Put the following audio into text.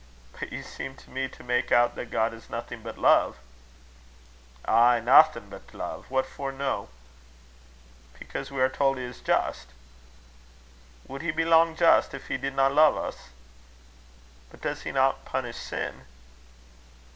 "But you seem to me to make out that God is nothing but love!" "Ay, naething but love. What for no?" "Because we are told he is just." "Would he be lang just if he didna lo'e us?" "But does he not punish sin?"